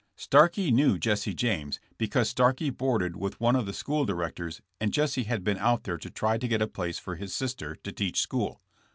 Starkey knew Jesse James, because Starkey boarded with one of the school directors and Jesse had been out there to try to get a place for his sister to teach school.